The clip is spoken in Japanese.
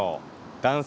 男性